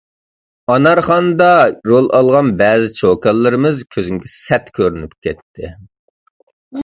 «ئانارخان»دا رول ئالغان بەزى چوكانلىرىمىز كۆزۈمگە سەت كۆرۈنۈپ كەتتى.